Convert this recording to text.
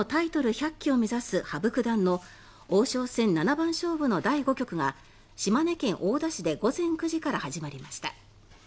１００期を目指す羽生九段の王将戦七番勝負の第５局が島根県大田市で午前９時から始まりました。